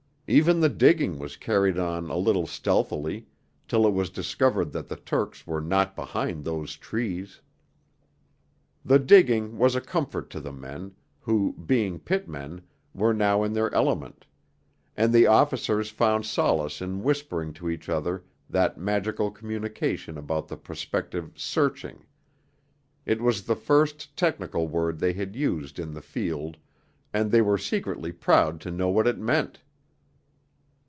Even the digging was carried on a little stealthily till it was discovered that the Turks were not behind those trees. The digging was a comfort to the men, who, being pitmen, were now in their element; and the officers found solace in whispering to each other that magical communication about the prospective 'searching'; it was the first technical word they had used 'in the field,' and they were secretly proud to know what it meant.